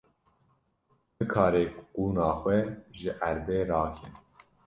Nikare qûna xwe ji erdê rake.